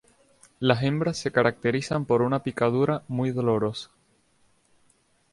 Las hembras se caracterizan por una picadura muy dolorosa.